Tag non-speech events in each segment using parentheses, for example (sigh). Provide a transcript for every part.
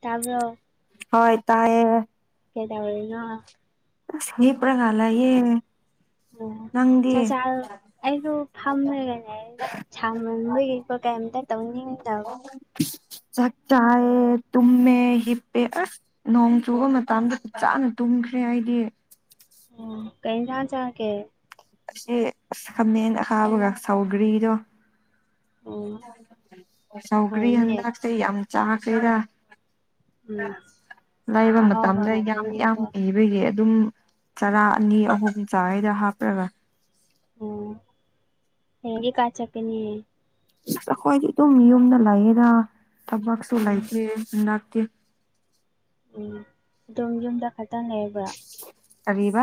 ꯇꯕ꯭ꯔꯣ ꯍꯣꯏ ꯇꯥꯏꯌꯦ ꯀꯩꯗꯧꯔꯤꯅꯣ ꯑꯁ ꯂꯦꯞꯔꯒ ꯂꯩꯌꯦ ꯑꯣ ꯅꯪꯗꯤ ꯆꯥꯛ ꯆꯥ ꯑꯩꯗꯣ ꯐꯝꯔꯒ ꯂꯩꯗ ꯁꯥꯃꯟꯕꯒꯤꯀꯣ ꯀꯩꯝꯇ ꯇꯧꯅꯤꯡꯗꯕ ꯆꯥꯛ ꯆꯥꯑꯦ ꯇꯨꯝꯃꯦ ꯍꯤꯄꯦ ꯑꯁ ꯅꯣꯡ ꯆꯨꯕ ꯃꯇꯝꯗ ꯐꯖꯅ ꯇꯨꯝꯈ꯭ꯔꯦ ꯑꯩꯗꯤ ꯑꯣ ꯀꯩ ꯏꯟꯖꯥꯡ ꯆꯥꯒꯦ ꯉꯁꯤ ꯑꯁ ꯈꯥꯃꯦꯟ ꯑꯈꯥꯕꯒ ꯁꯥꯎꯒ꯭ꯔꯤꯗꯣ ꯑꯣ ꯁꯧꯒ꯭ꯔꯤ ꯍꯥꯎꯋꯤꯅꯦ ꯍꯟꯗꯛꯁꯦ ꯌꯥꯝ ꯆꯥꯈ꯭ꯔꯦꯗ ꯎꯝ ꯂꯩꯕ ꯑꯍꯥꯎꯕ ꯃꯇꯝꯗ ꯌꯥꯝ ꯌꯥꯝ ꯉꯥꯛꯇꯅꯤꯀꯣ ꯂꯩ ꯑꯗꯨꯒꯤ ꯑꯗꯨꯝ ꯆꯔꯥ ꯑꯅꯤ ꯑꯍꯨꯝ ꯆꯥꯢꯗ ꯍꯥꯞꯔꯒ ꯑꯣ ꯍꯌꯦꯡꯗꯤ ꯀꯥꯢ ꯆꯠꯀꯅꯤ ꯑꯁ ꯑꯩꯈꯣꯏꯗꯤ ꯑꯗꯨꯝ ꯌꯨꯝꯗ ꯂꯩꯌꯦꯔ ꯊꯕꯛꯁꯨ ꯎꯝ ꯂꯩꯇꯦ ꯅꯠꯇꯦ ꯎꯝ ꯑꯗꯨꯝ ꯌꯨꯝꯗ ꯐꯖꯅ ꯂꯩꯕ ꯀꯔꯤꯕ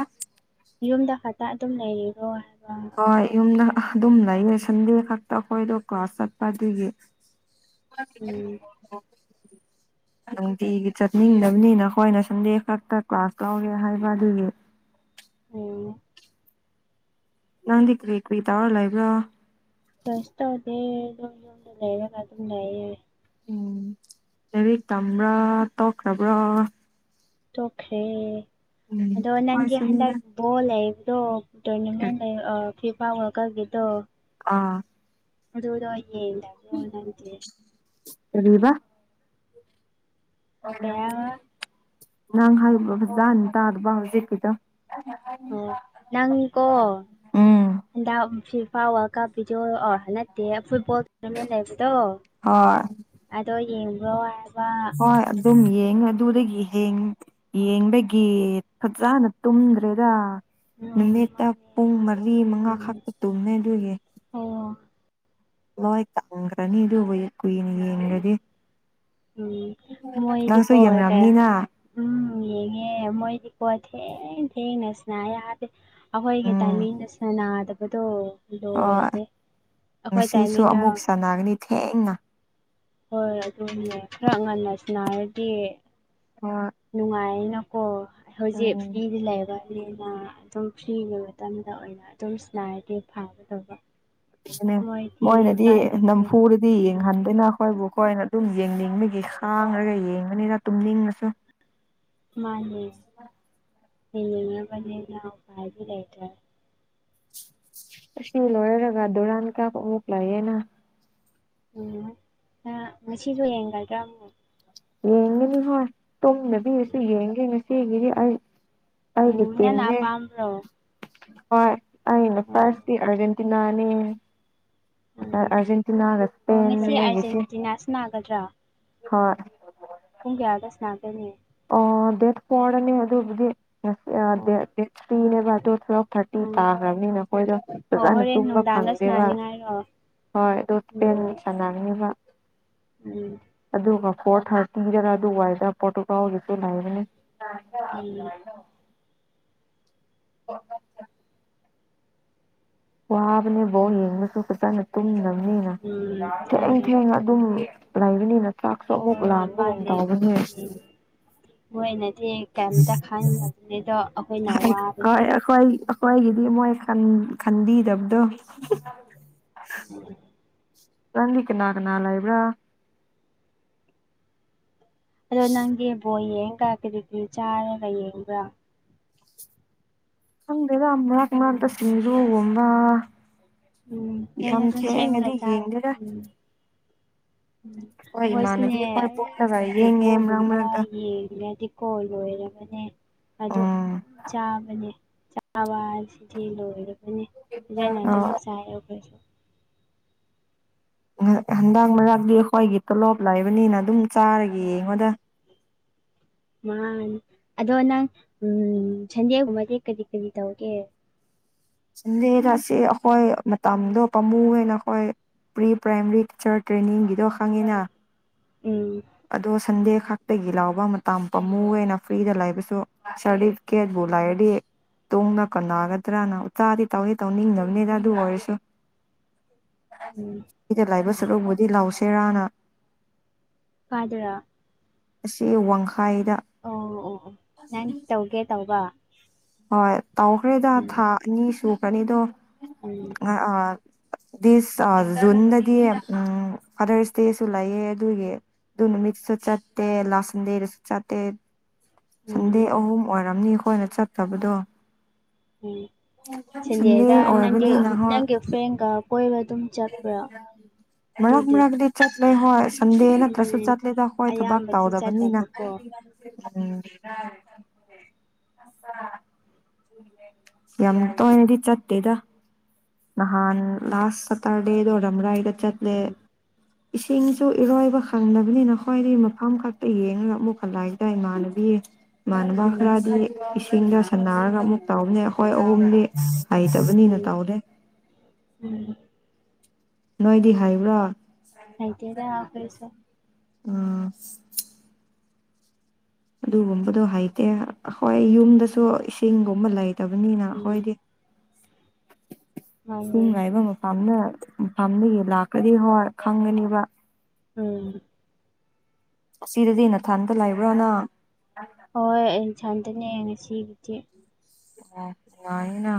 ꯌꯨꯝꯗ ꯐꯖꯅ ꯑꯗꯨꯝ ꯂꯩꯔꯤꯔꯣ ꯍꯥꯏꯕ ꯍꯣꯏ ꯌꯨꯝꯗ ꯑꯗꯨꯝ ꯂꯩꯅꯦ ꯁꯟꯗꯦ ꯈꯛꯇ ꯑꯩꯈꯣꯏꯗꯣ ꯀ꯭ꯂꯥꯁ ꯆꯠꯄ ꯑꯗꯨꯒꯤ ꯎꯝ (inaudible) ꯅꯨꯡꯇꯤꯒꯤ ꯆꯠꯅꯤꯡꯗꯕꯅꯤꯅ ꯑꯈꯣꯏꯅ ꯁꯟꯗꯦ ꯈꯛꯇ ꯀ꯭ꯂꯥꯁ ꯂꯧꯒꯦ ꯍꯥꯏꯕ ꯑꯗꯨꯒꯤ ꯎꯝ ꯅꯪꯗꯤ ꯀ꯭ꯔꯤ ꯀ꯭ꯔꯤ ꯇꯧꯔ ꯂꯩꯕ꯭ꯔꯣ ꯀꯩꯁꯨ ꯇꯧꯗꯦ ꯌꯨꯝ ꯌꯨꯝꯗ ꯂꯩꯔꯒ ꯑꯗꯨꯝ ꯂꯩꯌ‌ꯦ ꯎꯝ ꯂꯩꯔꯤꯛ ꯇꯝꯕ꯭ꯔꯥ ꯇꯣꯛꯈ꯭ꯔꯕ꯭ꯔꯥ ꯇꯣꯛꯈ꯭ꯔꯦ ꯎꯝ ꯑꯗꯣ ꯅꯪꯒꯤ ꯍꯟꯗꯛ ꯍꯣꯏꯁꯨꯅꯤꯗ ꯕꯣ ꯂꯩꯕꯗꫭ ꯇꯣꯔꯅꯃꯦꯟ ꯂꯩ ꯑꯥ ꯐꯤ ꯐꯥ ꯋꯥꯜꯀꯞꯒꯤꯗꯣ ꯑꯥ ꯑꯗꯨꯗꯣ ꯌ‌ꯦꯡꯗꯕ꯭ꯔꯣ ꯅꯪꯗꯤ ꯀꯔꯤꯕ ꯍꯥꯏꯕ ꯑꯣꯏꯔꯝꯒꯅꯤ ꯅꯪ ꯍꯥꯏꯕꯗꯣ ꯐꯖꯅ ꯇꯥꯗꯕ ꯍꯧꯖꯤꯛ ꯀꯤꯗꫭ ꯑꯣ ꯅꯪꯀꯣ ꯍꯟꯗꯛ ꯐꯤꯐꯥ ꯋꯥꯜ ꯀꯥꯞ ꯀꯤꯗꯣꯑꯣ ꯅꯠꯇꯦ ꯐꯨꯠꯕꯣꯜ ꯇꯣꯔꯅꯥꯃꯦꯟ ꯂꯩꯕꯗꯣ ꯍꯣꯏ ꯑꯗꯣ ꯌꯦꯡꯕ꯭ꯔꯣ ꯍꯥꯏꯕ ꯍꯣꯏ ꯑꯗꯨꯝ ꯌꯦꯡꯉ ꯑꯗꯨꯗꯒꯤ ꯍꯌꯦꯡ ꯌꯦꯡꯕꯒꯤ ꯐꯖꯅ ꯇꯨꯝꯗ꯭ꯔꯤꯗ ꯎꯝ ꯅꯨꯃꯤꯠꯇ ꯃꯥꯅꯦ ꯄꯨꯡ ꯃꯔꯤ ꯃꯉꯥ ꯎꯝ ꯈꯛꯇ ꯇꯨꯝꯃꯦ ꯑꯗꯨꯒꯤ ꯑꯣ ꯂꯣꯏ ꯀꯪꯈ꯭ꯔꯅꯤ ꯑꯗꯨꯕꯨ ꯀꯨꯏꯅ ꯌꯦꯡꯂꯗꯤ ꯎꯝ ꯅꯪꯁꯨ ꯃꯣꯏꯗꯤꯀꯣ ꯀꯌꯥ ꯌꯦꯡꯔꯝꯅꯤꯅ ꯎꯝ ꯌꯦꯡꯉꯦ ꯃꯣꯏꯗꯤꯀꯣ ꯊꯦꯡ ꯊꯦꯡꯅ ꯁꯅꯩ ꯍꯥꯢꯗꯤ ꯑꯩꯈꯣꯏꯒꯤ ꯎꯝ ꯇꯥꯏꯃꯤꯡꯗ ꯁꯅꯥꯗꯕꯗꯣ ꯍꯣꯏ ꯂꯣꯏꯔꯦ ꯑꯩꯈꯣꯏ ꯇꯥꯏꯃꯤꯡꯅ ꯁꯥꯅꯒꯅꯤ ꯊꯦꯡꯅ ꯍꯣꯏ ꯑꯗꯨꯅꯦ ꯈꯔ ꯉꯟꯅ ꯁꯟꯅꯔꯗꯤ ꯍꯣꯢ ꯅꯨꯡꯉꯥꯏꯅꯀꯣ ꯍꯧꯖꯤꯛ ꯐꯗꯤ ꯂꯩꯔꯅꯦꯅ ꯑꯗꯨꯝ ꯐ꯭ꯔꯤꯒꯤ ꯃꯇꯝꯗ ꯑꯣꯏꯅ ꯑꯗꯨꯝ ꯁꯅꯥꯔꯗꯤ ꯐꯪꯒꯗꯧꯕ ꯅꯦ ꯃꯣꯏꯅꯗꯤ ꯀꯥꯏꯗꯒꯤ ꯅꯝꯐꯨꯗꯗꯤ ꯎꯝ ꯌꯦꯡꯍꯟꯗꯣꯏꯅ ꯑꯩꯈꯣꯏꯕꯨ ꯑꯩꯈꯣꯏꯅ ꯑꯗꯨꯝ ꯌꯦꯡꯅꯤꯡꯕꯒꯤ ꯈꯥꯡꯔꯒ ꯌꯦꯡꯕꯅꯤꯅ ꯇꯨꯝꯅꯤꯡꯉꯁꯨ ꯃꯥꯅꯦꯉꯕꯅꯤ ꯅ ꯥꯎꯞꯥꯏꯗꯤꯇꯔ ꯑꯁꯤꯅꯤ ꯂꯣꯏꯔꯒ ꯗꯨꯔꯥꯟ ꯀꯥꯄ ꯑꯃꯨꯛꯂꯩꯑꯦꯅ ꯎꯝ ꯉꯁꯤꯁꯨ ꯌꯦꯡꯒꯗ꯭ꯔꯥ ꯑꯃꯨꯛ ꯌꯦꯡꯒꯅꯤ ꯍꯣꯏ ꯇꯨꯝꯗꯕꯤꯔꯁꯨ ꯌꯦꯡꯒꯦ ꯉꯁꯤꯒꯤꯗꯤ ꯑꯩ ꯍꯥꯏꯒꯤ ꯎꯝ (unintelligible) ꯇ ꯅꯪꯅ ꯏꯅꯦ ꯑꯄꯥꯝꯕ꯭ꯔꯣ ꯑꯣ ꯑ ꯑꯩꯅ ꯐꯔꯁꯤ ꯑꯔꯖꯦꯟꯇꯤꯅꯥꯅꯤ ꯑ ꯎꯝ ꯑꯔꯖꯦꯟꯇꯤꯅꯥ ꯏꯁꯄ‌ꯦꯟꯅ‌ꯦ ꯑꯩꯒꯤꯁꯦ ꯅꯥꯒ꯭ꯔꯥ ꯍꯣꯏ ꯄꯨꯡ ꯀꯌꯥꯗ ꯁꯅꯥ ꯀꯅꯤ ꯑ ꯗꯦꯠ ꯐꯣꯔꯅꯤ ꯑꯗꯨꯕꯨꯗꯤ ꯉꯁꯤ ꯑꯣ ꯗꯦꯠ ꯊ꯭ꯔꯤꯅꯦꯕ ꯑꯣ ꯇꯨꯋꯜꯞ ꯊꯥꯔꯇꯤ ꯎꯝ ꯇꯥꯈ꯭ꯔꯕꯅꯤ ꯅꯈꯣꯏꯗꯣ ꯍꯣ ꯐꯖꯅ ꯍꯣꯔꯦꯟ ꯇꯨꯝꯕ ꯅꯨꯡꯗꯥꯡꯗ ꯐꯪꯗ‌ꯦꯕ ꯁꯅꯥꯅꯤꯡꯉꯥꯏꯔꯣ ꯍꯣꯏ ꯏꯁꯄꯦꯟ ꯎꯝ ꯁꯥꯟꯅꯒꯅ‌ꯦꯕ ꯎꯝ ꯑꯗꯨꯒ ꯐꯣꯔ ꯊꯥꯔꯇꯤꯗꯔ ꯑꯗꯨꯋꯥꯏꯗ ꯄꯣꯔꯇꯨꯒꯥꯜꯒꯤꯁꯨ ꯂꯩꯕꯅꯤ ꯎꯝ ꯑꯣ (unintelligible) ꯋꯥꯕꯅꯦꯕꯣꯜ ꯌꯦꯡꯕꯁꯨ ꯐꯖꯅ ꯇꯨꯝꯅꯕꯅꯤꯅ ꯎꯝ ꯊꯦꯡ ꯃꯥꯅꯦ ꯊꯦꯡꯉ ꯑꯗꯨꯝ ꯂꯩꯕꯅꯤꯅ ꯆ꯭ꯔꯥꯛꯁꯨ ꯑꯃꯨꯛ ꯍꯣꯏ ꯂꯥꯟꯕꯒꯨꯝ ꯃꯥꯅꯦ ꯇꯥꯎꯒꯅꯦ ꯎꯝ ꯃꯣꯏꯅꯗꯤ ꯀꯔꯤꯝꯇ ꯈꯪꯗꯕꯅꯤꯗꯣ ꯑꯩꯈꯣꯏꯅ ꯋꯥꯕꯁꯦ ꯍꯣꯏ ꯑꯩꯏꯒꯤꯗꯤ ꯃꯣꯏ ꯈꯟꯕꯤꯗꯕꯗꯣ ꯎꯝ ꯔꯗꯤ ꯀꯅꯥ ꯀꯅꯥ ꯂꯏꯕ꯭ꯔ ꯑꯗꯣ ꯅꯪꯒꯤ ꯕꯣ ꯌꯦꯡꯒ ꯀꯔꯤ ꯀꯔꯤ ꯆꯥꯔꯒ ꯌꯦꯡꯕ꯭ꯔꯥ ꯈꯪꯗꯦꯗ ꯃ ꯃꯅꯥꯗ ꯁꯤꯁꯤꯡꯔꯨ ꯒꯨꯝꯕ ꯎꯝ ꯅꯣꯏꯅ ꯌꯥꯝ ꯑꯗꯨꯝ ꯁꯦꯝꯃꯒ ꯊꯦꯡꯉꯗꯤ ꯆꯥꯎ ꯌꯦꯡꯗꯦꯔ ꯎꯝ ꯎꯝ ꯍꯣꯏ ꯑꯩꯈꯣꯏꯁꯤꯅꯦ ꯏꯃꯥꯟꯅꯕꯤ ꯈꯣꯏ ꯑꯦ ꯄꯨꯜꯂꯒ ꯌꯦꯡꯉꯦ ꯃꯔꯛ ꯐꯨꯠꯕꯣꯜꯒꯨꯝꯕ ꯃꯔꯛꯇ ꯌꯦꯡꯗꯤ ꯀꯣꯜ ꯂꯣꯏꯔꯕꯅꯦ ꯑ ꯎꯝ ꯆꯥꯕꯅꯦ ꯆꯥꯕ ꯍꯥꯏ ꯑꯁꯤꯗꯤ ꯂꯣꯏꯔꯕꯅꯦ ꯌꯥꯅꯦ ꯇ ꯁꯥꯏꯔ ꯍꯟꯗꯥꯡ ꯃꯔꯥꯡꯛꯇꯤ ꯑꯩꯈꯣꯏꯒꯤ ꯇꯣꯂꯣꯞ ꯂꯩꯕꯅꯤꯅ ꯑꯗꯨꯝ ꯆꯥꯔꯒꯦ ꯌꯦꯡꯉꯣꯗ ꯃꯥꯅꯦ ꯑꯗꯣ ꯅꯪ ꯁꯟꯗꯦꯒꯨꯝꯕꯗꯤ ꯀꯔꯤ ꯀꯔꯤ ꯇꯧꯒꯦ ꯆꯂꯦꯔ ꯁꯤ ꯑꯩꯈꯣꯏ ꯃꯇꯝꯗꯣ ꯄꯥꯝꯃꯨꯌꯦꯅ ꯑꯩꯈꯣꯏ ꯄ꯭ꯔꯤ ꯄ꯭ꯔꯥꯏꯃꯔꯤ ꯇꯤꯆꯔ ꯇ꯭ꯔꯦꯅꯤꯡꯒꯤꯗꯣ ꯈꯪꯉꯤꯅ ꯎꯝ ꯑꯗꯣ ꯁꯟꯗꯦ ꯈꯥꯛꯛꯇꯒꯤ ꯂꯥꯎꯕ ꯃꯇꯝ ꯄꯥꯝꯃꯨꯅ ꯐ꯭ꯔꯤꯗ ꯂꯩꯕꯁꯨ ꯁꯥꯔꯗꯤ ꯀꯦꯕꯨ ꯂꯩꯔꯗꯤ ꯇꯣꯡꯅ ꯀꯅꯒꯗ꯭ꯔꯅ ꯇꯥꯗꯤ ꯇꯧꯗꯤ ꯇꯧꯅꯤꯡꯗꯅꯕꯅꯤꯗ ꯑꯗꯨ ꯑꯣꯏꯔꯁꯨ ꯎꯝ ꯑꯩꯗ ꯂꯥꯏꯕ ꯆꯠꯂꯨꯕꯨꯗꯤ ꯂꯥꯎ ꯁꯦꯔꯥꯅ ꯐꯥꯗ꯭ꯔ ꯑꯁꯤ ꯋꯥꯡꯈꯥꯏꯗ ꯑꯣ ꯑꯣ ꯑꯣ ꯅꯪ ꯇꯧꯒꯦ ꯇꯧꯕ ꯍꯣꯏ ꯇꯧꯈ꯭ꯔꯦꯗ ꯎꯝ ꯊꯥ ꯑꯅꯤ ꯁꯨꯈ꯭ꯔꯅꯤꯗꯣ ꯎꯝ ꯑ ꯗꯤꯁ ꯖꯨꯟꯗꯗꯤ ꯎꯝ ꯐꯥꯗꯔꯁ ꯗꯦꯁꯨ ꯂꯩꯌꯦ ꯑꯗꯨꯒꯤ ꯗꯨ ꯅꯨꯃꯤꯠꯇꯁꯨ ꯆꯠꯇꯦ ꯂꯥꯁ ꯁꯟꯗꯦꯗꯁꯨ ꯆꯠꯇꯦ ꯁꯟꯗꯦ ꯎꯝ ꯎꯝ ꯑꯍꯨꯝ ꯑꯣꯏꯔꯝꯅꯤ ꯑꯩꯈꯣꯏꯅ ꯆꯠꯇꯕꯗꯣ ꯎꯝ ꯁꯟꯗꯦ ꯁꯟꯗꯦꯗ ꯅꯪꯗꯨ ꯑꯣꯏꯕꯅꯤꯅ ꯍꯣꯏ ꯅꯪꯒꯤ ꯐ꯭ꯔꯦꯟꯒ ꯀꯣꯏꯕ ꯑꯗꯨꯝ ꯆꯠꯄ꯭ꯔꯥ (unintelligible) ꯃꯔꯛ ꯑꯗꯨꯗꯤ ꯃꯔꯛꯗꯤ ꯆꯠꯂꯦ ꯍꯣꯏ ꯁꯟꯗꯦ ꯅꯠꯇ꯭ꯔꯁꯨ ꯎꯝ ꯆꯠꯂꯦꯗ ꯈꯣꯏ ꯊꯕꯛ ꯑꯌꯥꯝꯕꯗꯤ ꯇꯧꯗꯕꯅꯤꯅ ꯆꯠꯇꯕꯀꯣ ꯎꯝ (unintelligible) ꯌꯥꯝ ꯇꯣꯏꯅꯗꯤ ꯆꯠꯇꯦꯗ ꯅꯍꯥꯟ ꯂꯥꯁ ꯁꯇꯔꯗꯦꯗꯣ ꯔꯝꯔꯥꯏꯗ ꯆꯠꯂꯦ (inaudible) ꯏꯁꯤꯡꯁꯨ ꯏꯔꯣꯏꯕ ꯈꯪꯗꯕꯅꯤꯅ ꯑꯩꯈꯣꯏꯗꯤ ꯃꯐꯝ ꯈꯛꯇ ꯌꯦꯡꯉꯒ ꯑꯃꯨꯛ ꯍꯜꯂꯛꯑꯦꯗꯣ ꯏꯃꯥꯟꯅꯕꯤ ꯏꯃꯥꯟꯅꯕ ꯎꯝ ꯈꯔꯗꯤ ꯏꯁꯤꯡꯗ ꯁꯥꯟꯅꯔꯒ ꯑꯃꯨꯛ ꯇꯧꯕꯅꯦ ꯑꯩꯈꯣꯏ ꯑꯍꯨꯝꯗꯤ ꯍꯩꯇꯕꯅꯤꯅ ꯎꯝ ꯇꯧꯗꯦ ꯎꯝ ꯅꯣꯏꯗꯤ ꯍꯩꯕ꯭ꯔꯣ ꯍꯩꯇꯦꯗꯥ ꯑꯈꯣꯏꯁꯨ ꯑꯥ (unintelligible) ꯑꯗꯨꯒꯨꯝꯕꯗꯣ ꯍꯩꯇꯦ ꯑꯩꯈꯣꯏ ꯌꯨꯝꯗꯁꯨ ꯏꯁꯤꯡꯒꯨꯝꯕ ꯂꯩꯇꯕꯅꯤꯅ ꯎꯝ ꯑꯩꯈꯣꯏꯗꯤ ꯏꯁꯤꯡ ꯃꯥꯅꯦ ꯉꯥꯏꯕ ꯃꯄꯥꯝꯗ ꯃꯐꯝꯗꯒꯤ ꯂꯥꯛꯀꯔꯗꯤ ꯍꯣꯏ ꯈꯪꯒꯅꯤꯕ ꯎꯝ ꯑꯁꯤꯗꯗꯤ ꯅꯊꯟꯇ ꯂꯩꯕ꯭ꯔꯣ ꯅꯪ ꯍꯣꯏ ꯑꯩ ꯏꯊꯟꯇꯅꯦ ꯉꯁꯤꯒꯤꯗꯤ ꯌꯥꯝ ꯅꯨꯉꯥꯏꯌꯦꯅꯥ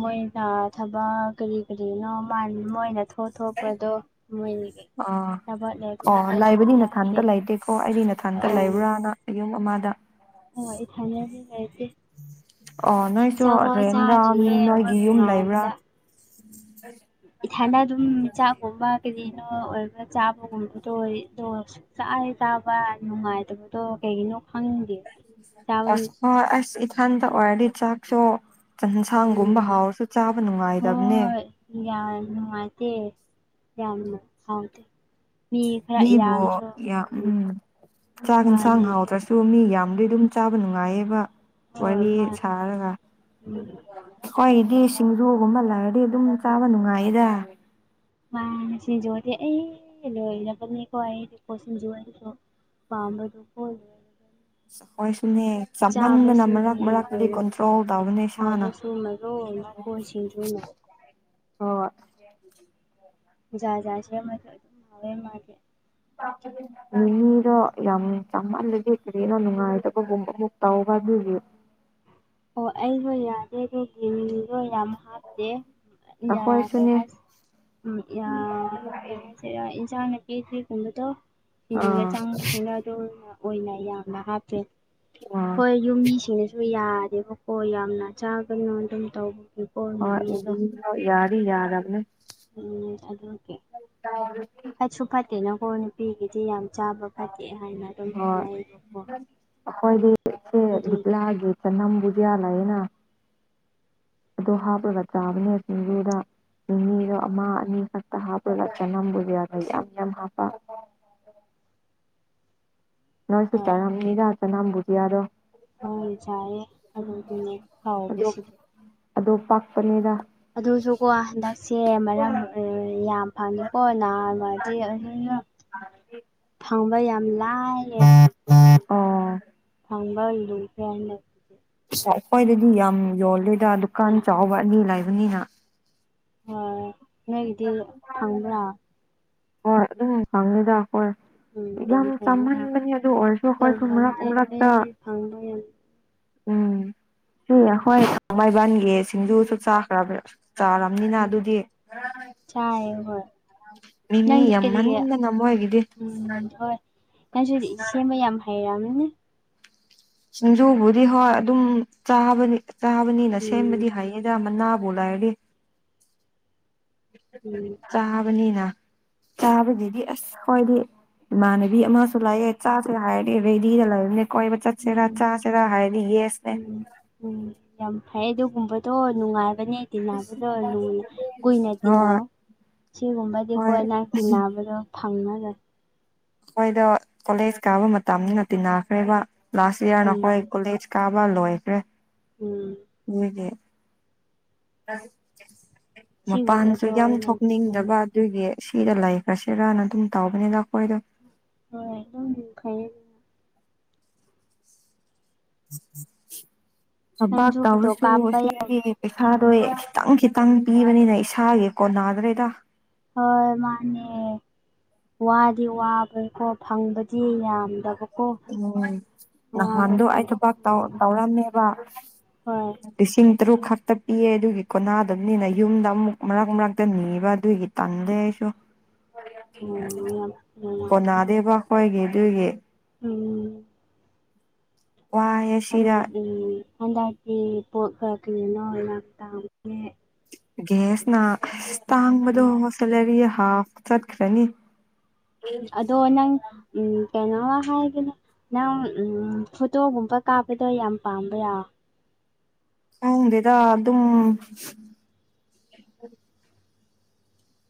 ꯃꯣꯏꯅ ꯊꯕꯛ ꯀꯔꯤ ꯀꯔꯤꯅꯣ ꯃꯥꯟ ꯃꯣꯏꯅ ꯊꯣꯠ__ ꯊꯣꯞꯄ꯭ꯔꯥꯗꯣ ꯃꯣꯏꯅꯤ (unintelligible) ꯑꯥ ꯑꯣ ꯂꯩꯕꯗꯤ ꯅꯊꯟꯇ ꯂꯩꯇꯦꯀꯣ ꯑꯩꯗꯤ ꯅꯊꯟꯇ ꯂꯩꯕ꯭ꯔꯥꯅ ꯌꯨꯝ ꯑꯃꯗ ꯍꯣꯏ ꯏꯊꯟꯇꯗꯤ ꯂꯩꯇꯦ ꯑꯣ ꯅꯣꯏꯁꯨ ꯆꯥ ꯐꯧ ꯔꯦꯟꯔꯥ ꯆꯥꯗ꯭ꯔꯤꯌꯦ ꯅꯣꯏꯒꯤ ꯃꯣꯏꯕꯨ ꯌꯨꯝ ꯂꯩꯕ꯭ꯔꯥ ꯉꯥꯏꯕꯗ ꯏꯊꯟꯗ ꯑꯗꯨꯝ ꯆꯥꯛꯒꯨꯝꯕ ꯀꯔꯤꯅꯣ ꯑꯣꯏꯕ ꯆꯥꯕꯒꯨꯝꯕꯗꯣ (unintelligible) ꯆꯥꯛ ꯍꯦꯛ ꯆꯥꯕ ꯅꯨꯡꯉꯥꯏꯇꯕꯗꯣ ꯀꯩꯒꯤꯅꯣ ꯈꯪꯗꯦ ꯆꯥꯕ (unintelligible) ꯑꯁ ꯍꯣꯏ ꯑꯁ ꯏꯊꯟꯗ ꯑꯣꯏꯔꯗꯤ ꯆꯥꯛ ꯁꯣ ꯆꯟꯁꯥꯡꯒꯨꯝꯕ ꯎꯝ ꯍꯥꯎꯔꯁꯨ ꯆꯥꯕ ꯅꯨꯡꯉꯥꯏꯗꯕꯅꯦ ꯎꯝ ꯌꯥꯝꯅ ꯅꯨꯡꯉꯥꯏꯇꯦ ꯌꯥꯝꯅ ꯍꯥꯎꯇꯦ ꯃꯤ ꯈꯔ ꯃꯤꯕꯨ ꯌꯥꯝꯁꯨ ꯌꯥꯝ ꯎꯝ ꯆꯥꯛ ꯍꯦꯟꯁꯥꯡ ꯃꯥꯅꯦ ꯍꯥꯎꯇ꯭ꯔꯁꯨ ꯄꯨ ꯃꯤ ꯌꯥꯝꯃꯗꯤ ꯑꯗꯨꯝ ꯆꯥꯕ ꯅꯨꯡꯉꯥꯏꯌꯦꯕ ꯍꯣꯏ ꯋꯥꯔꯤ ꯃꯥꯅꯦ ꯁꯥꯔꯒ ꯎꯝ ꯑꯩꯈꯣꯏꯒꯤꯗꯤ ꯁꯤꯡꯖꯨꯒꯨꯝꯕ ꯂꯩꯔꯗꯤ ꯑꯗꯨꯝ ꯆꯥꯕ ꯅꯨꯡꯉꯥꯏꯌꯦꯗ ꯃꯥꯅꯦ ꯁꯤꯡꯖꯨ ꯑꯩ ꯂꯣꯏꯔꯕꯅꯦꯀꯣ ꯑꯩꯗꯤꯀꯣ ꯁꯤꯡꯖꯨ ꯑꯣꯏꯔꯗꯤ ꯗꯨꯝ ꯄꯥꯝꯕꯗꯨ ꯈꯣꯏꯒꯤ (unintelligible) ꯈꯣꯏꯁꯨꯅꯦ ꯆꯥꯞꯃꯟꯗꯅ ꯃꯔꯛ ꯆꯥꯕꯁꯤꯗꯤ ꯃꯔꯛꯇꯗꯤ ꯂꯣꯏꯔꯕꯅꯦ ꯀꯟꯇ꯭ꯔꯣꯜ ꯑꯩꯗꯤ ꯇꯧꯕꯅꯦ ꯏꯁꯥꯅ ꯍꯥꯎꯕꯁꯨ ꯃꯔꯣꯜ ꯑꯃ ꯀꯣꯏ ꯁꯤꯡꯖꯨꯅ (unintelligible) ꯍꯣ ꯍꯣꯏ ꯖꯥꯠ ꯖꯥꯠ ꯁꯦꯝꯔꯁꯨ ꯑꯗꯨꯝ ꯍꯥꯎꯋꯦ ꯃꯥꯗꯤ (unintelligible) ꯃꯤꯃꯤꯗꯣ ꯌꯥꯝ ꯆꯃꯜꯂꯗꯤ ꯀꯔꯤꯅꯣ ꯅꯨꯡꯉꯥꯏꯇꯕꯒꯨꯝꯕ ꯑꯃꯨꯛ ꯇꯧꯕ ꯑꯗꯨꯒꯤ ꯑꯣ ꯑꯩꯗꯣ ꯌꯥꯗꯦ ꯑꯗꯨꯒꯤ ꯃꯤꯃꯤꯗꯣ ꯌꯥꯝ ꯍꯥꯞꯇꯦ (unintelligible) ꯀꯩ ꯑꯩꯈꯣꯏꯁꯨꯅꯦ ꯍꯥꯏꯁ__ ꯎꯝ ꯌꯥ ꯀꯩ ꯍꯥꯏꯁꯤꯔꯥ ꯏꯟꯁꯥꯡ ꯅꯥꯄꯤ ꯍꯩ ꯒꯨꯝꯕꯗꯣ ꯁꯤꯡꯖꯨꯗ ꯑꯥ ꯆꯪꯕꯁꯤꯡꯗꯣ ꯑꯗꯨꯅ ꯑꯣꯏꯅ ꯌꯥꯝꯅ ꯍꯥꯞꯇꯣꯏꯅꯦ (unintelligible) ꯑꯩ ꯌꯨꯝ ꯃꯤꯁꯤꯡꯅꯁꯨ ꯌꯥꯗꯦꯕꯀꯣ ꯌꯥꯝꯅ ꯆꯥꯒꯅꯨ ꯑꯗꯨꯝ ꯇꯧꯕ ꯑ ꯏ ꯌꯥꯔ ꯌꯥꯔꯕꯅꯦ ꯎꯝ ꯑꯗꯨꯀꯦ ꯐꯠꯁꯨ ꯐꯠꯇꯦꯅꯀꯣ ꯅꯨꯄꯤꯒꯤꯗꯤ ꯌꯥꯝ ꯆꯥꯕ ꯐꯛꯦ ꯍꯥꯏꯅ ꯑꯗꯨꯝ ꯍꯣꯏ ꯍꯥꯏꯅꯩꯌꯦꯕꯀꯣ ꯑꯩꯈꯣꯏꯗꯤ ꯁꯦ ꯑꯗꯨꯒꯤ ꯂꯤꯛꯂꯛꯑꯒꯦ ꯆꯅꯝꯕꯨꯗꯤꯌꯥꯂꯑꯦꯅ ꯑꯗꯨꯗ ꯍꯥꯞꯄꯒ ꯆꯥꯕꯅꯦ ꯁꯤꯡꯖꯨꯗ ꯅꯤꯗꯣ ꯑꯃ ꯑꯅꯤ ꯈꯛꯇ ꯍꯥꯞꯄꯒ ꯆꯅꯝꯕꯨꯗꯤ ꯌꯥꯗ ꯌꯥꯝ ꯌꯥꯝ ꯍꯥꯞꯄ ꯅꯔꯁꯨ ꯍꯣꯏ ꯆꯥꯔꯥ ꯃꯤꯔꯥ ꯆ ꯅꯝꯕꯨꯗꯤ ꯌꯥꯔꯣ ꯍꯥꯎꯅ ꯆꯥꯏꯌꯦ ꯑꯗꯨꯗꯨꯅꯦ ꯍꯥꯎꯕꯁꯤꯗꯤ ꯑꯗꯣ ꯄꯥꯛꯄꯅꯦꯗ ꯑꯗꯨꯁꯨ ꯀꯣ ꯍꯟꯗꯛꯁꯦ ꯃꯔꯝ ꯌꯥꯝ ꯐꯪꯉꯦꯀꯣ ꯅꯥꯃꯗꯤ ꯑꯗꯨꯅ ꯐꯪꯕ ꯌꯥꯝ ꯂꯌꯦ ꯑꯣ ꯊꯥꯡꯝꯕꯜꯂꯨ ꯐ ꯈ꯭ꯋꯥꯏꯗꯗꯤ ꯌꯥꯝ ꯌꯣꯜꯂꯦꯗ ꯗꯨꯀꯥꯟ ꯆꯥꯎꯕ ꯑꯅꯤ ꯂꯥꯏꯕꯅꯤꯅ ꯍꯣꯏ ꯅꯣꯏꯒꯤꯗꯤ ꯐꯪꯕ꯭ꯔꯥ ꯍꯣꯏ ꯑꯗꯨ ꯈꯪꯅꯤꯤꯗ ꯑꯩꯈꯣꯏ ꯎꯝ ꯌꯥꯝ ꯐꯩꯅ ꯆꯥꯍꯟꯕꯅꯤ ꯑꯗꯨ ꯑꯣꯏꯔꯁꯨ ꯑꯩꯈꯣꯏ ꯑꯣꯏꯔꯁꯨ ꯃꯔꯛ ꯃꯐꯝꯗꯤ ꯃꯔꯛꯇ ꯑꯩ ꯐꯪꯕ ꯌꯥꯝ ꯎꯝ ꯁꯤ ꯑꯩꯈꯣꯏ ꯊꯃꯥꯏꯕꯟꯒꯤ ꯁꯤꯡꯖꯨꯁꯨ ꯆꯥꯈ꯭ꯔꯕ ꯆꯥ ꯅꯤꯅ ꯑꯗꯨꯗꯤ ꯆꯥꯏ ꯍꯣꯏ ꯃꯤꯃꯤ ꯅꯪꯗꯤ ꯀꯔꯤ ꯌꯥꯝꯃꯟꯗꯅ ꯃꯣꯏꯒꯤꯗꯤ ꯎꯝ ꯍꯣꯏ ꯅꯪꯁꯨ ꯁꯦꯝꯕ ꯌꯥꯝ ꯍꯥꯏꯩꯔꯝꯅꯦ ꯁꯤꯡꯖꯨꯕꯨꯗꯤ ꯍꯣꯏ ꯑꯗꯨꯝꯥ ꯆꯥꯕꯅꯤꯅ ꯎꯝ ꯁꯦꯝꯕꯗꯤ ꯍꯥꯏ ꯑꯩꯗ ꯃꯅꯥꯕꯣꯂꯗꯤ ꯎꯝ ꯀꯥꯕꯅꯤꯅ ꯀꯥꯕꯁꯤꯗꯤ ꯑꯁ ꯈ꯭ꯋꯥꯏꯗꯤ ꯏꯃꯥꯟꯅꯕꯤ ꯑꯃꯁꯨ ꯂꯥꯛꯑꯦ ꯆꯥꯁꯨ ꯍꯥꯏꯔꯦ ꯔꯦꯗꯤꯗ ꯂꯩꯔꯅꯦ ꯀꯣꯏꯕ ꯆꯠꯁꯤꯔ ꯎꯝ ꯆꯥꯁꯤꯔ ꯍꯥꯏꯅꯤ ꯌꯦꯏ ꯅꯦ ꯎꯝ ꯎꯝ ꯌꯥꯝ ꯐꯩ ꯑꯗꯨꯒꯨꯝꯕꯗꯣ ꯅꯨꯡꯉꯥꯏꯕꯅꯦ ꯇꯤꯟꯅꯕꯗꯣ ꯂꯨꯅ ꯀꯨꯏꯅ ꯍꯣꯏ ꯇꯤꯟꯅꯧ ꯁꯤꯒꯨꯝꯕꯗꯤ ꯍꯣꯏ ꯀꯣꯏꯅꯥꯛꯇꯤ ꯅꯥꯕꯗꯣ ꯐꯪꯉꯔ ꯑꯩꯈꯣꯏꯗ ꯀꯣꯂꯦꯖ ꯀꯥꯕ ꯃꯇꯝꯅꯤꯅ ꯇꯤꯟꯅꯈ꯭ꯔꯦꯕ ꯂꯥꯁ ꯏꯌꯥꯔ ꯅ ꯎꯝ ꯑꯩꯈꯣꯏ ꯀꯣꯂꯦꯖ ꯀꯥꯕ ꯂꯣꯏꯈ꯭ꯔꯦ ꯎꯝ ꯃꯣꯏꯒꯤ ꯃꯄꯥꯟꯁꯨ ꯁꯤꯒꯨꯝꯕꯗꯣ ꯌꯥꯝ ꯑꯣꯏꯅ ꯎꯝ ꯊꯣꯛꯅꯤꯡꯗꯕ ꯑꯗꯨꯒꯤ ꯁꯤꯗ ꯂꯩꯈ꯭ꯔꯁꯤꯔꯅ ꯑꯗꯨꯝ ꯇꯧꯕꯅꯤꯗ ꯑꯩꯈꯣꯏꯗꯣ (unintelligible) ꯊꯕꯥꯛ ꯅꯪꯁꯨ ꯐꯣꯇꯣ ꯇꯧꯔꯁꯨ ꯀꯥꯞꯄ ꯁꯤ ꯌꯥꯝ ꯎꯝ ꯄꯩꯁꯥꯗꯣ ꯈꯤꯇꯪ ꯈꯤꯇꯪ ꯄꯤꯕꯅꯤꯅ ꯏꯁꯥꯒꯤ ꯀꯣꯟ ꯅꯥꯗ꯭ꯔꯦꯗ ꯍꯣꯏ ꯃꯥꯅꯦ ꯋꯥꯗꯤ ꯋꯥꯕꯩꯀꯣ ꯐꯪꯕꯗꯤ ꯌꯥꯝ ꯗꯕꯀꯣ ꯎꯝ ꯅꯍꯥꯟꯗꯣ ꯑꯩ ꯊꯕꯛ ꯎꯝ ꯇꯧꯔꯝꯃꯦꯕ ꯍꯣꯏ ꯂꯤꯁꯤꯡ ꯇꯔꯨꯛ ꯈꯛꯇ ꯄꯤꯑꯦ ꯑꯗꯨꯒꯤ ꯀꯣꯅꯥꯗꯕꯅꯤꯅ ꯌꯨꯝꯗ ꯑꯃꯨꯛ ꯃꯔꯛ ꯃꯔꯛꯇ ꯅꯤꯕ ꯑꯗꯨꯒꯤ ꯇꯟꯗꯦ ꯑꯩꯁꯨ (inaudible) ꯎꯝ ꯌꯥꯝ ꯅꯨꯡꯉꯥꯏꯇꯦꯗ ꯀꯣꯅꯥꯗꯦꯕ ꯑꯩꯈꯣꯏꯒꯤ ꯑꯗꯨꯏꯒꯤ ꯑꯝ ꯋꯥꯌꯦ ꯎꯝ ꯍꯟꯗꯥꯇꯤ ꯄꯅꯣ ꯂꯥꯛ ꯇꯦ ꯒ꯭ꯦꯁꯅ ꯑ ꯇꯥꯡꯕꯗꯣ ꯎꯝ ꯁꯦꯂꯔꯤ ꯍꯥꯐ ꯆꯠꯈ꯭ꯔꯅꯤ ꯑꯗꯣ ꯅꯪ ꯎꯝ ꯀꯩꯅꯣꯝ ꯍꯥꯏꯒꯦꯅꯦ ꯅꯪ ꯎꯝ ꯐꯣꯇꯣꯒꯨꯝꯕ ꯀꯥꯞꯄꯗꯣ ꯌꯥꯝ ꯄꯥꯝꯕꯔꯥ ꯈꯪꯗꯦꯗ ꯑꯗꯨꯝ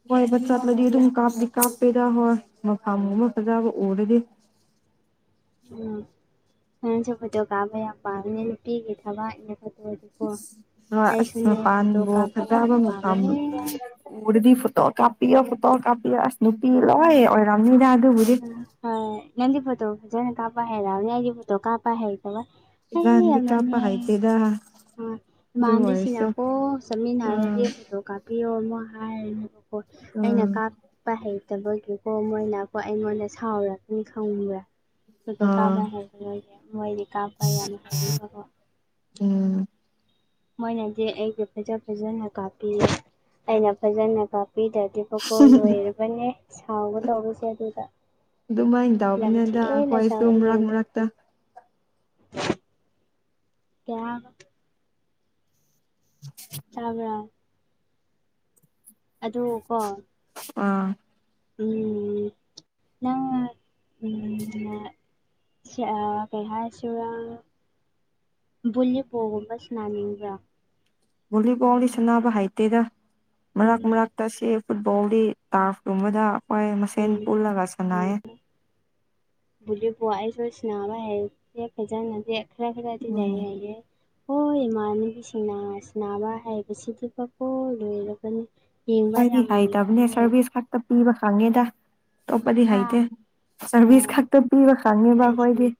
ꯀꯣꯏꯕ ꯆꯠꯂꯗꯤ ꯑꯗꯨꯝ ꯀꯥꯞꯇ ꯀꯥꯞꯄꯦꯗ ꯍꯣꯏ ꯃꯐꯝ ꯑꯃ ꯐꯖꯕ ꯎꯔꯗꯤ ꯎꯝ ꯅꯪꯁꯨ ꯐꯣꯇꯣ ꯀꯞꯄꯥ ꯌꯥꯝ ꯄꯥꯝꯒꯅꯤ ꯅꯨꯄꯤꯒꯤ ꯊꯕꯛ ꯅꯤꯅ ꯐꯣꯠꯇꯣꯗꯤ ꯀꯣ ꯍꯣꯏ ꯑꯁ ꯑꯩꯥꯁꯨꯨꯅꯤ ꯐꯣꯇꯣ ꯃꯄꯥꯟꯕꯨ ꯀꯞꯄ ꯌꯥꯝ ꯐꯖꯕ ꯃꯐꯝ ꯄꯥꯝꯃꯦ ꯎꯔꯗꯤ ꯐꯣꯇꯣ ꯀꯥꯄꯤꯌꯣ ꯐꯣꯇꯣ ꯀꯥꯄꯤꯌꯣ ꯏꯁ ꯅꯨꯨꯄꯤ ꯂꯣꯏ ꯑꯣꯏꯔꯝꯅꯤꯗ ꯑꯗꯨꯕꯨꯗꯤ ꯍꯣꯏ ꯅꯥꯪꯗꯤ ꯐꯣꯇꯣ ꯐꯖꯅ ꯀꯥꯄ ꯍꯥꯏꯔꯝꯅꯤ ꯑꯩꯗꯤ ꯐꯠꯇꯣ ꯀꯥꯞꯄ ꯍꯩꯇꯕꯩ ꯑꯩ ꯌꯥꯝꯅꯅꯦ ꯗꯥ ꯏꯃꯥꯟꯕꯤ ꯁꯤꯅ ꯀꯣ ꯆꯠꯃꯤꯅꯔꯗꯤ ꯑꯥ ꯐꯣꯇꯣ ꯀꯥꯄꯤꯌꯣ ꯑꯃꯨꯛ ꯍꯥꯏꯔꯅꯤ ꯍꯣꯏ ꯑꯩꯅ ꯑꯥ ꯀꯥꯞ ꯄꯥ ꯍꯩꯇꯕꯒꯤꯀꯣ ꯃꯣꯏꯅꯀꯣ ꯑꯩꯉꯣꯟꯗ ꯁꯥꯎꯔꯒꯅꯤ ꯈꯪꯕ꯭ꯔꯥ ꯐꯣꯇꯣ ꯑꯥ ꯀꯥꯞꯕ ꯍꯥꯏꯕ ꯅꯣꯏꯅꯦ ꯃꯣꯏꯗꯤ ꯀꯥꯞꯄ ꯌꯥꯝ ꯍꯩꯔꯅꯤꯀꯣ ꯎꯝ ꯃꯣꯏꯅꯗꯤ ꯑꯩꯒꯤ ꯐꯖ ꯐꯖꯅ ꯀꯥꯞꯄꯤꯔ ꯑꯩꯅ ꯐꯖꯅ ꯀꯥꯞꯄꯤꯗ ꯑꯗꯨꯀꯥ ꯂꯣꯏꯔꯕꯅꯦ ꯁꯥꯎꯒꯗꯧꯕꯁꯦ ꯑꯗꯨꯗ ꯑꯗꯨꯃꯥꯏꯟ ꯌꯥꯝ ꯇꯎꯕꯅꯤꯗ ꯊꯤꯅ ꯍꯣꯏꯁꯨ ꯁꯥꯎꯋꯦ ꯃꯔꯛ ꯑꯩꯉꯣꯟꯗ ꯃꯔꯛꯇ (unintelligible) (unintelligible) ꯇꯕ꯭ꯔꯥ ꯑꯗꯨ ꯀꯣ ꯑꯥ ꯎꯝ ꯅꯪ ꯎꯝ ꯁꯤ ꯑꯥ ꯀꯩ ꯍꯥꯏ ꯁꯤꯔꯥ ꯕꯨꯜꯂꯤ ꯄꯣꯒꯨꯝꯕ ꯁꯅꯥꯅꯤꯡꯕ꯭ꯔꯥ ꯚꯣꯂꯤꯕꯣꯜꯒꯤ ꯁꯥꯟꯅꯥꯅꯕ ꯍꯩꯇꯦꯗ ꯃꯔꯛ ꯎꯝ ꯃꯔꯛ ꯇꯁꯤ ꯐꯨꯠꯕꯣꯜꯒꯤ ꯇꯥꯔꯐꯀꯨꯝꯕꯗ ꯑꯩꯈꯣꯏ ꯃꯁꯦꯟ ꯎꯝ ꯄꯨꯜꯂꯒ ꯁꯥꯟꯅꯩ (unintelligible) ꯑꯩꯁꯨ ꯁꯥꯟꯕ ꯍꯩ ꯎꯝ (unintelligible) ꯍꯣꯏ ꯏꯃꯥꯟꯅꯕꯤꯁꯤꯡ ꯁꯥꯟꯅꯕ ꯍꯥꯏꯕꯁꯤꯗꯤ ꯕꯀꯣ ꯂꯣꯏꯔꯕꯅꯤ ꯌꯦꯡꯕ ꯑꯩꯗꯤ ꯌꯥꯝ ꯍꯥꯏꯩꯇꯕꯅꯦ ꯅꯨꯡꯉꯥꯏꯌꯦ ꯁꯔꯚꯤꯁ ꯈꯛꯇ ꯄꯤꯕ ꯈꯪꯅꯦꯗ ꯑꯇꯣꯞꯄꯗꯤ ꯍꯥꯥ ꯍꯩꯇꯦ ꯑꯣ ꯁꯔꯚꯤꯁ ꯈꯛꯇ ꯄꯤꯕ ꯈꯪꯛꯅꯦꯕ ꯑꯩꯁꯨꯅꯦ ꯑꯩꯈꯣꯏꯗꯤ